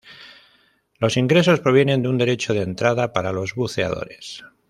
Los ingresos provienen de un derecho de entrada para los buceadores.